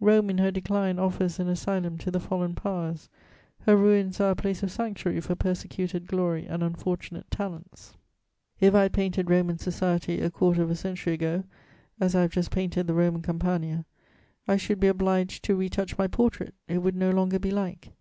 Rome in her decline offers an asylum to the fallen powers; her ruins are a place of sanctuary for persecuted glory and unfortunate talents. If I had painted Roman society, a quarter of a century ago, as I have just painted the Roman Campagna, I should be obliged to retouch my portrait; it would no longer be like.